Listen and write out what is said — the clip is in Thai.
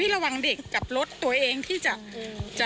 ที่ผ่านมาเคยมีคนตกท่อลักษณะนี้ไหมคะ